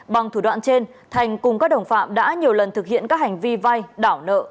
bằng thủ đoạn trên thành cùng các đồng phạm đã nhiều lần thực hiện các hành vi vay đảo nợ